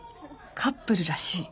カップルらしい。